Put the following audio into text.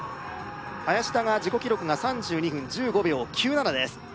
林田が自己記録が３２分１５秒９７です